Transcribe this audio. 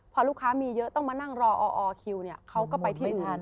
พอลูกค้ามีเยอะต้องมานั่งรออคิวเนี่ยเขาก็ไปที่ไม่ทัน